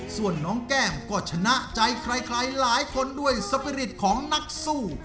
ส่วนน้องแก้มก็ชนะใจใครหลายคนด้วยสปีริตของนักสู้